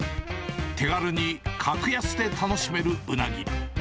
手軽に格安で楽しめるうなぎ。